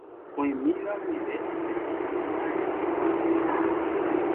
Oĩmíva guive jahupytyva'erã mba'apo rupive.